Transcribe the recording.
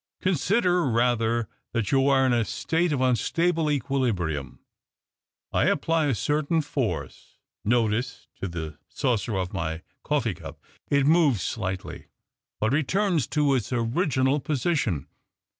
Con sider rather that you are in a state of unstable equilibrium. I apply a certain force, notice, to the saucer of my cofiee cup. It moves slightly, but returns to its original position.